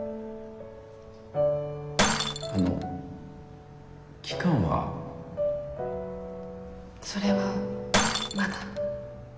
あの期間は？それはまだ。